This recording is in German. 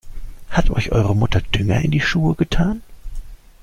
Hat euch eure Mutter Dünger in die Schuhe getan?